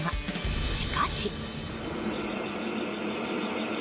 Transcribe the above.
しかし。